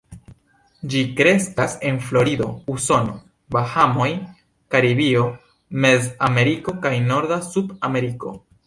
Ĝi kreskas en Florido, Usono, Bahamoj, Karibio, Mez-Ameriko kaj norda Sud-Ameriko.